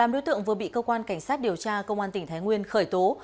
tám đối tượng vừa bị cơ quan cảnh sát điều tra công an tỉnh thái nguyên khởi tố